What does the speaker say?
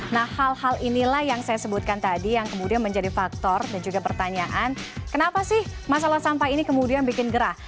nah hal hal inilah yang saya sebutkan tadi yang kemudian menjadi faktor dan juga pertanyaan kenapa sih masalah sampah ini kemudian bikin gerah